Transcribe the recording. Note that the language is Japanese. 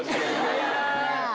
いや！